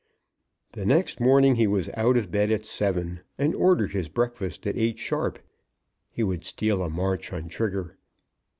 The next morning he was out of bed at seven, and ordered his breakfast at eight sharp. He would steal a march on Trigger.